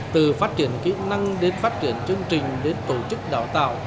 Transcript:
từ phát triển kỹ năng đến phát triển chương trình đến tổ chức đào tạo